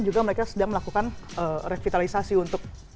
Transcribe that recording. juga mereka sedang melakukan